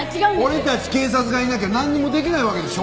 俺たち警察がいなきゃなんにもできないわけでしょ？